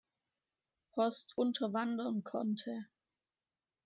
Post unterwandern konnte.